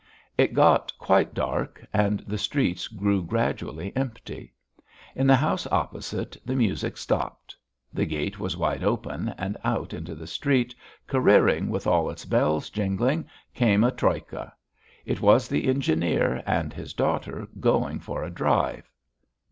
It got quite dark and the street grew gradually empty. In the house opposite the music stopped. The gate was wide open and out into the street, careering with all its bells jingling, came a troika. It was the engineer and his daughter going for a drive.